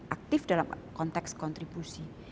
aktif dalam konteks kontribusi